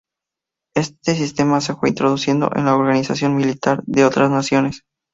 Este sistema se fue introduciendo en la organización militar de otras naciones.